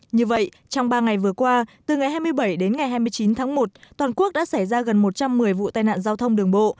như vậy trong ba ngày vừa qua từ ngày hai mươi bảy đến ngày hai mươi chín tháng một toàn quốc đã xảy ra gần một trăm một mươi vụ tai nạn giao thông đường bộ